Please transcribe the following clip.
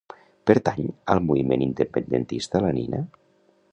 Pertany al moviment independentista la Nina?